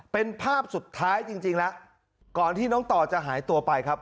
เป็นภาพสุดท้ายจริงแล้วก่อนที่น้องต่อจะหายตัวไปครับ